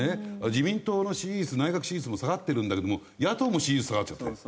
自民党の支持率内閣支持率も下がってるんだけども野党も支持率下がっちゃってる。